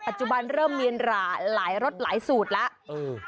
ปัจจุบันเริ่มมีหลายรสหลายสูตรแล้ว